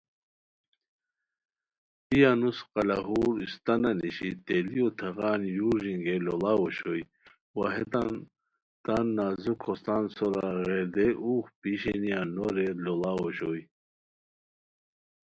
ای انوس قلاہور استانہ نیشی تیلیو تھاغان یُو ݱینگئے لوڑاؤ اوشوئے وا ہیتان تان نازک ہوستان سورا غیردئے اوغ پی شینیہ نو رے لوڑاؤ اوشوئے